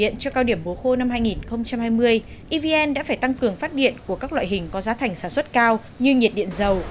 evn đã phải tăng cường phát điện của các loại hình có giá thành sản xuất cao như nhiệt điện dầu